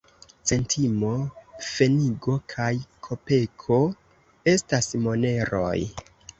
Centimo, pfenigo kaj kopeko estas moneroj.